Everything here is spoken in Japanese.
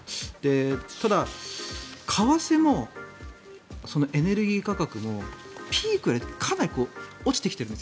ただ、為替もエネルギー価格もピークよりかなり落ちてきているんです。